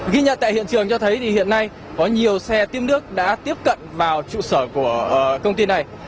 ghi nhận tại hiện trường cho thấy hiện nay có nhiều xe tiếp nước đã tiếp cận vào trụ sở của công ty này